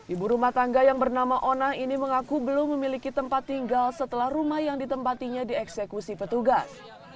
ibu rumah tangga yang bernama ona ini mengaku belum memiliki tempat tinggal setelah rumah yang ditempatinya dieksekusi petugas